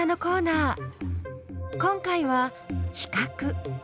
今回は「比較」。